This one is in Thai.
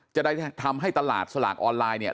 จะได้ทำให้ตลาดสลากออนไลน์เนี่ย